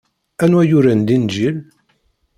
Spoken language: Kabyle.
Anwa yuran Linǧil?